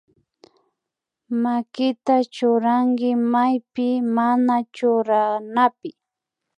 Makita churanki maypi mana churanapi